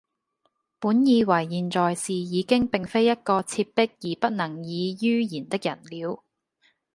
本以爲現在是已經並非一個切迫而不能已于言的人了，